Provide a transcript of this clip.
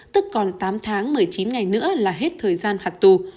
tức còn tám tháng một mươi chín ngày nữa là hết thời gian hạt tù